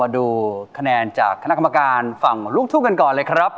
ดูคะแนนจากคณะกรรมการฝั่งลูกทุ่งกันก่อนเลยครับ